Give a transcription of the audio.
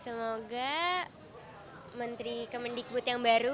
semoga menteri kemendikbud yang baru